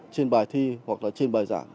trên bài thi hoặc là trên bài giảng